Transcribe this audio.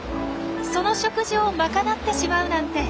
その食事を賄ってしまうなんて